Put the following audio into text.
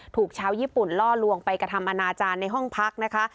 ถูกชาวญี่ปุ่นล่อลวงไปกระทำอนาจารย์ในห้องพักนะคะ